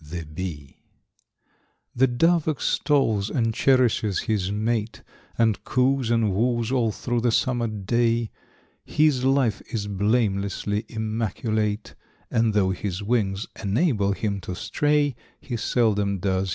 The Bee.= The Dove extols and cherishes his mate, And coos and woos all through the summer day. H is life is blamelessly immaculate, And though his wings enable him to stray, He seldom does.